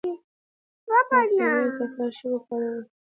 مدهبي احساسات ښه وپارول.